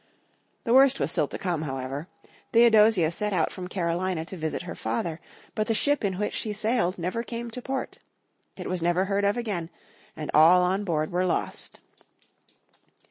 The worst was still to come, however. Theodosia set out from Carolina to visit her father. But the ship in which she sailed never came to port. It was never heard of again, and all on board were lost.